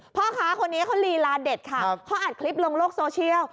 พ่อค้าคนนี้เขาลีลาเด็ดค่ะเขาอัดคลิปลงโลกโซเชียล